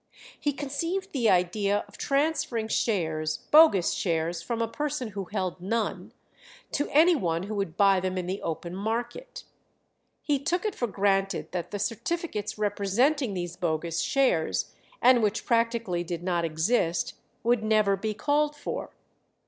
He conceived the idea of transferring shares, bogus shares from a person who held none, to any one who would buy them in the open market. He took it for granted that the certificates representing these bogus shares, and which practically did not exist, would never be called for.